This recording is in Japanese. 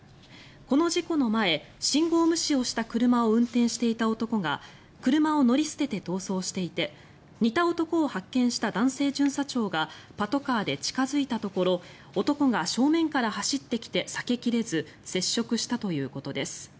この事故の前信号無視をした車を運転していた男が車を乗り捨てて逃走していて似た男を発見した男性巡査長がパトカーで近付いたところ男が正面から走ってきて避け切れず接触したということです。